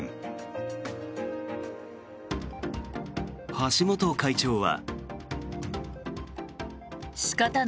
橋本会長は。